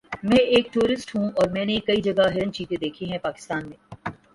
میں ایک ٹورسٹ ہوں اور میں نے کئی جگہ ہرن چیتے دیکھے ہے پاکستان میں